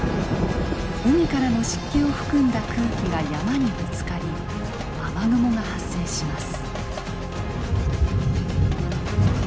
海からの湿気を含んだ空気が山にぶつかり雨雲が発生します。